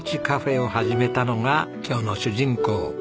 カフェを始めたのが今日の主人公